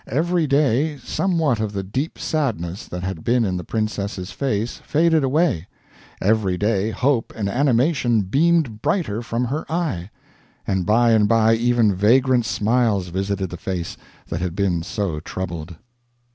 Every day somewhat of the deep sadness that had been in the princess's face faded away; every day hope and animation beamed brighter from her eye; and by and by even vagrant smiles visited the face that had been so troubled.